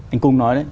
anh cung nói đấy